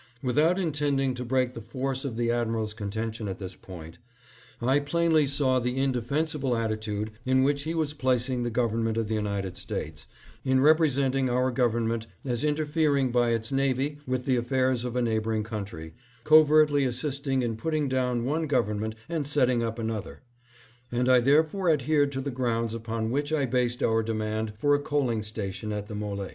Without intend ing to break the force of the admiral's contention at this point, I plainly saw the indefensible attitude in which he was placing the government of the United States in representing our government as interfering by its navy with the affairs of a neighboring country, covertly assisting in putting down one government and setting up another; and I therefore adhered to the grounds upon which I based our demand for a coaling station at the M61e.